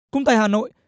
cũng tại hà nội